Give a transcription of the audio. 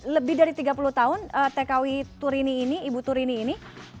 lebih dari tiga puluh tahun tkw turini ini ibu turini ini